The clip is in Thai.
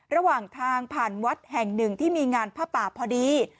ระหว่างทางผ่านวัดแห่งหนึ่งที่มีงานผ้าป่าพอดี